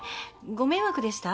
ご迷惑でした？